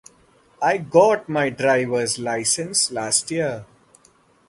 I got my driver's license last year.